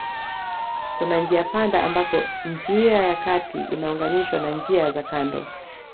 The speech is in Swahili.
Kuna njiapanda ambako njia ya kati inaunganishwa na njia za kando